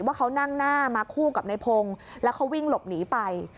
ว่าเขานั่งหน้ามาคู่กับในพงศ์แล้วเขาวิ่งหลบหนีไป